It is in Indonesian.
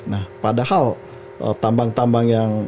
nah padahal tambang tambang yang